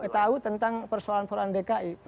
tahu tentang persoalan persoalan dki